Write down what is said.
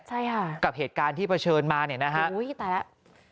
ใช่ค่ะกับเหตุการณ์ที่เผชิญมาเนี่ยนะฮะอุ้ยตายแล้ว